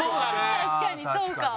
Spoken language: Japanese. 確かにそうか。